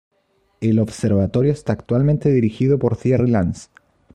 El observatorio está actualmente dirigido por Thierry Lanz.